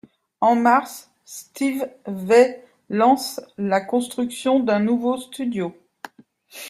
En mars, Steve Vai lance la construction d'un nouveau studio.